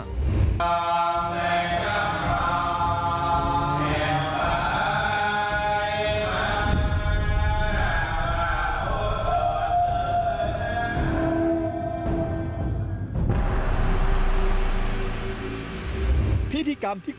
พิธีกรรมที่คุณผู้ชมเห็นนี้มีการนำวัวควายมาเชื่อ